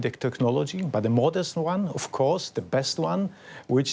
เทคนิคและส่วนงานเช่นการส่งโรคตัดปฏิกิจ